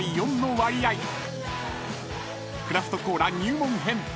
［クラフトコーラ入門編。